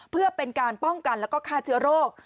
เพื่อเป็นการป้องกันแล้วก็ฆ่าเชื้อโรค